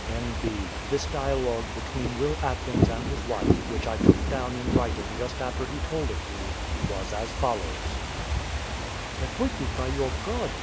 N.B. This dialogue between Will Atkins and his wife, which I took down in writing just after he told it me, was as follows: Wife. Appointed by your God!